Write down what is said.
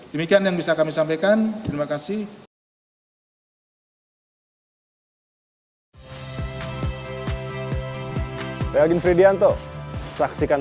demikian yang bisa kami sampaikan